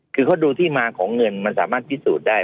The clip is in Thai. คือเขาดูที่มาของเงินมันสามารถพิสูจน์ได้